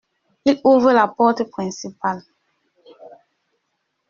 Il ouvre la porte principale.